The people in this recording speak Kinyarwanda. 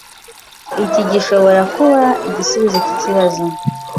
Iki gishobora kuba igisubizo cyikibazo.